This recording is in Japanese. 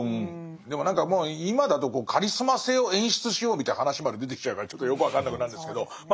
でも何かもう今だとカリスマ性を演出しようみたいな話まで出てきちゃうからちょっとよく分かんなくなるんですけどまあ